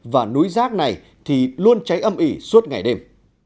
và núi rác này thì luôn cháy âm ỉ suốt ngày đêm